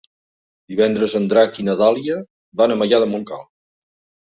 Divendres en Drac i na Dàlia van a Maià de Montcal.